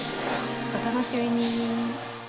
お楽しみに。